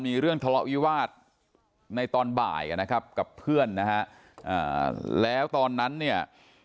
มีเรื่องทะเลาะวิวาสในตอนบ่ายนะครับกับเพื่อนนะฮะแล้วตอนนั้นเนี่ย